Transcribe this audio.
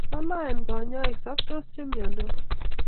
Toloen konyoik, sobtos che miandos